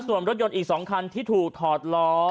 ส่วนรถยนต์อีก๒คันที่ถูกถอดล้อ